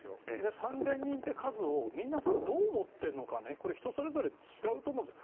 ３０００人という数を皆さんどう思っているのか人それぞれ違うと思うんですよ。